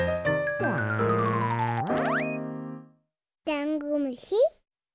ダンゴムシ。